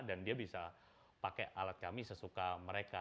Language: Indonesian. dan dia bisa pakai alat kami sesuka mereka